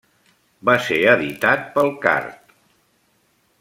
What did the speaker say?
Va ser editat pel card.